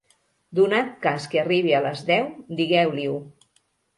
Donat cas que arribi a les deu, digueu-li-ho.